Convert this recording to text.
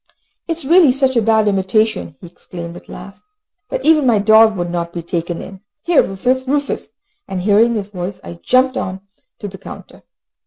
"It is really such a bad imitation," he exclaimed at last, "that even my dog would not be taken in. Here Rufus! Rufus!" and hearing his voice, I jumped on to the counter.